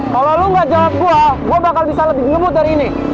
kalo lo ga jawab gua gua bakal bisa lebih ngemut dari ini